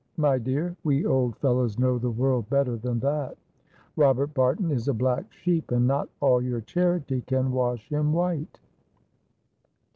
My dear, we old fellows know the world better than that. Robert Barton is a black sheep, and not all your charity can wash him white."